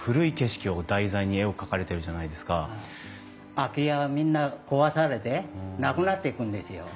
空き家がみんな壊されてなくなっていくんですよ。